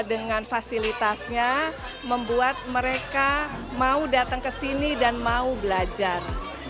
dengan fasilitasnya membuat mereka mau datang ke sini dan mau belajar